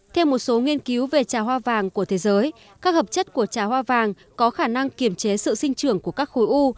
theo một số nghiên cứu về trà hoa vàng của thế giới các hợp chất của trà hoa vàng có khả năng kiểm chế sự sinh trưởng của các khối u